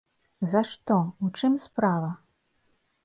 За што, у чым справа?